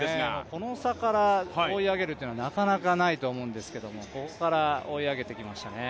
この差から追い上げるというのはなかなかないと思うんですけれども、ここから追い上げてきましたね。